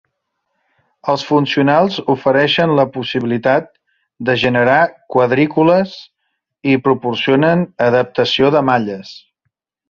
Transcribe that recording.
Els funcionals ofereixen la possibilitat de generar quadrícules i proporcionen adaptació de malles.